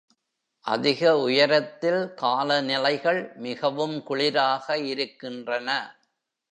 அதிக உயரத்தில், காலநிலைகள் மிகவும் குளிராக இருக்கின்றன.